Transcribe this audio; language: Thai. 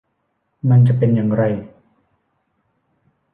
มันจะเป็นอย่างไร